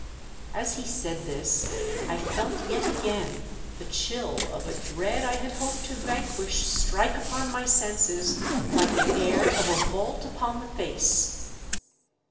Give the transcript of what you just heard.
As he said this I felt yet again the chill of a dread I had hoped to vanquish strike upon my senses like the air of a vault upon the face.